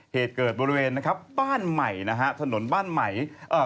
เหตุเกิดบริเวณบ้านใหม่ถนนบ้านใหม่